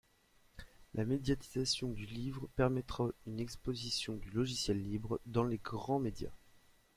La médiatisation du livre permettra une exposition du logiciel libre dans les grands médias.